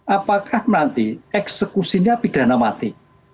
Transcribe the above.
apakah nanti eksekusinya pidana mati